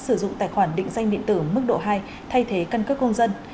sử dụng tài khoản định danh điện tử mức độ hai thay thế căn cước công dân